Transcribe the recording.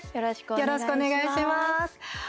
よろしくお願いします。